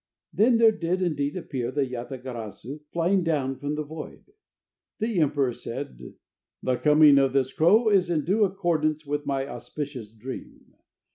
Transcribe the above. Then there did indeed appear the Yata garasu flying down from the void. The emperor said: "The coming of this crow is in due accordance with my auspicious dream.